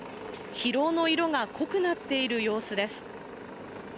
疲労の色が濃くなっている様子です。